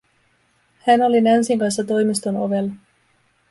Hän oli Nancyn kanssa toimiston ovella.